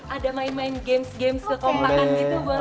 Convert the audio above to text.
ada main main games games kekomplakan gitu boleh ya